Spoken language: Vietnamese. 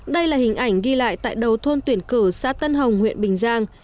đây là hình ảnh ghi lại tại đầu thôn tuyển cử xã tân hồng huyện bình giang